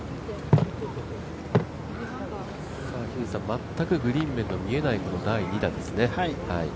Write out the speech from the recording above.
まったくグリーン面が見えないこの第２打ですね。